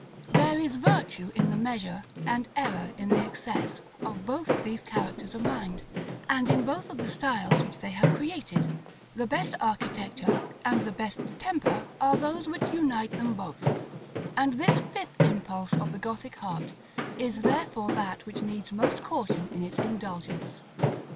§ LXXVII. There is virtue in the measure, and error in the excess, of both these characters of mind, and in both of the styles which they have created; the best architecture, and the best temper, are those which unite them both; and this fifth impulse of the Gothic heart is therefore that which needs most caution in its indulgence.